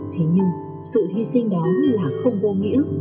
thế nhưng sự hy sinh đó là không vô nghĩa